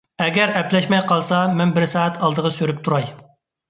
ئەگەر ئەپلەشمەي قالسا، مەن بىر سائەت ئالدىغا سۈرۈپ تۇراي.